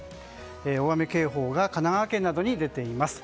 大雨警報が神奈川県などに出ています。